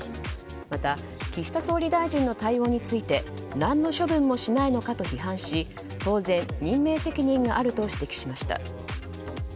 また、岸田総理大臣の対応について何の処分もしないのかと批判し当然、任命責任があると指摘しました。